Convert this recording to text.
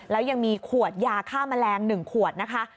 แล้วยังมีขวดยาฆ่าแมลง๑ขวดนะคะ